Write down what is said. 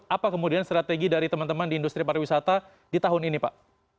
apa kemudian strategi dari teman teman di industri pariwisata di tahun ini pak